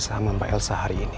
sama mbak elsa hari ini